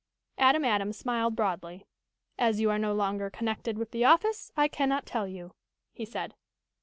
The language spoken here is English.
Adam Adams smiled broadly. "As you are no longer connected with the office, I cannot tell you," he said.